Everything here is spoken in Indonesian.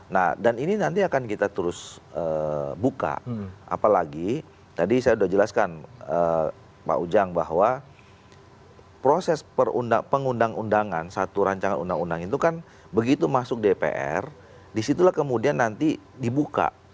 nah dan ini nanti akan kita terus buka apalagi tadi saya sudah jelaskan pak ujang bahwa proses pengundang undangan satu rancangan undang undang itu kan begitu masuk dpr disitulah kemudian nanti dibuka